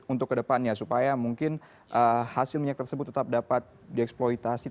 untuk kedepannya supaya mungkin hasil minyak tersebut tetap dapat dieksploitasi